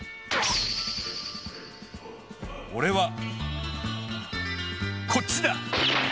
オレはこっちだ！